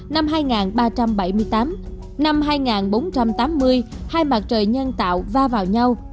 năm hai nghìn ba trăm bảy mươi tám năm hai nghìn bốn trăm tám mươi hai mặt trời nhân tạo va vào nhau